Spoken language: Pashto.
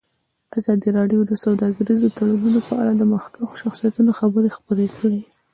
ازادي راډیو د سوداګریز تړونونه په اړه د مخکښو شخصیتونو خبرې خپرې کړي.